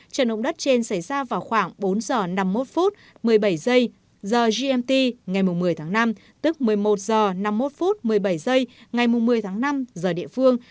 trận động đất trên xảy ra vào khoảng bốn h năm mươi một phút một mươi bảy giây hgt ngày một mươi tháng năm tức một mươi một h năm mươi một một mươi bảy giây ngày một mươi tháng năm giờ địa phương